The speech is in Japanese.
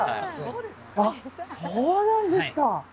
そうなんですか。